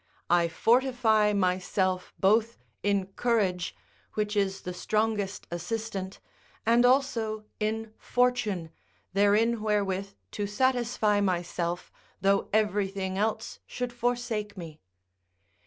I fortify myself both in courage, which is the strongest assistant, and also in fortune, therein wherewith to satisfy myself, though everything else should forsake me.